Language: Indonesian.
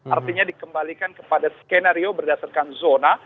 artinya dikembalikan kepada skenario berdasarkan zona